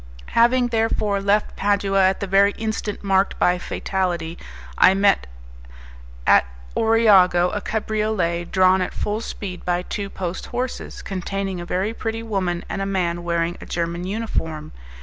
Having, therefore, left Padua at the very instant marked by fatality, I met at Oriago a cabriolet, drawn at full speed by two post horses, containing a very pretty woman and a man wearing a German uniform.